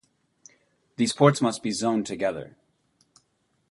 These ports must be zoned together.